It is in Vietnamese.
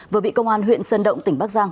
vừa bị công an huyện sơn động tỉnh bắc giang